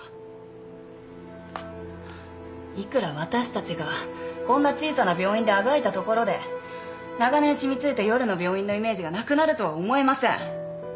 いくら私たちがこんな小さな病院であがいたところで長年染み付いた夜の病院のイメージがなくなるとは思えません。